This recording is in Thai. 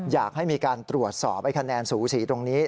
อยากให้มีการตรวจสอบไอ้คะแนนสูสีตรงนี้